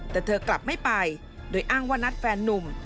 แต่เธอกลับไม่ไปโดยอ้างว่านัดแฟนนุ่ม